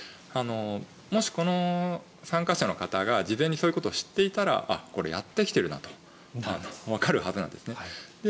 もし、この参加者の方が事前にそういうことを知っていたらあ、これ、やってきてるなとわかるはずなんですね。